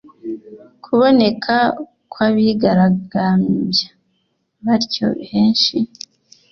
Kuboneka kw’abigaragambya batyo henshi